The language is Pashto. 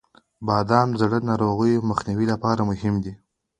• بادام د زړه د ناروغیو د مخنیوي لپاره مهم دی.